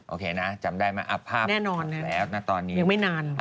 โอเคนะจำได้ไหมเอาภาพไว้แล้วนะตอนนี้แน่นอนยังไม่นาน